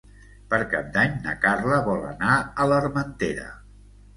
Per Cap d'Any na Carla vol anar a l'Armentera.